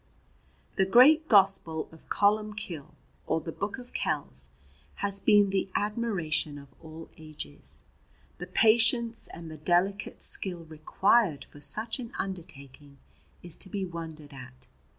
The great Gospel of Columbcille, or the "Book of Kells," has been the admiration of all ages. The patience and the delicate skill required for such an undertaking is to be wondered at.